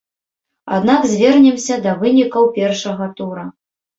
Аднак звернемся да вынікаў першага тура.